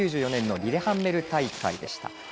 ９４年のリレハンメル大会でした。